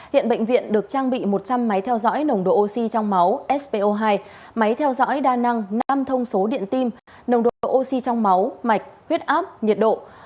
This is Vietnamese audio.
hiện bệnh viện được trang bị một trăm linh máy theo dõi nồng độ oxy trong máu sbo hai máy theo dõi đa năng năm thông số điện tim nồng độ oxy trong máu mạch huyết áp nhiệt độ